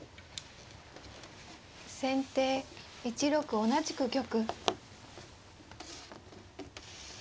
先手１六同じく玉。